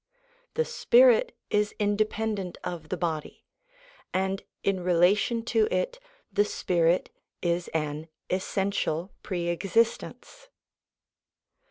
The spirit is independent of the body, and in relation to it the spirit is an essential pre existence.